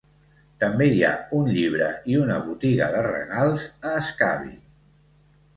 També hi ha un llibre i una botiga de regals a Scavi.